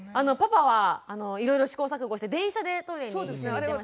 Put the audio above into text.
パパはいろいろ試行錯誤して電車でトイレに一緒に行ってましたけど。